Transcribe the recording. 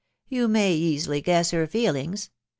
You may easily guess her feelings.